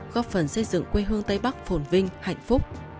góp phần xây dựng quê hương tây bắc phồn vinh hạnh phúc